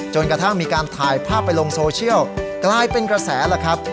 จนกระทั่งมีการถ่ายภาพไปลงโซเชียลกลายเป็นกระแสล่ะครับ